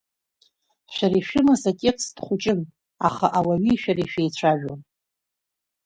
Шәара ишәымаз атекст хәыҷын, аха ауаҩи шәареи шәеицәажәон.